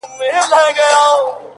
ستا د پښې پايزيب مي تخنوي گلي،